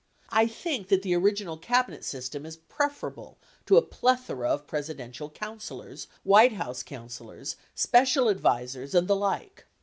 I think that the original Cabinet system is preferable to a plethora of Presi dential counselors, White House counselors, special advisers and the like.